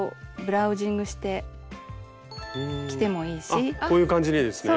あっこういう感じにですね。